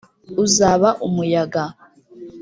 uzaba umuyaga.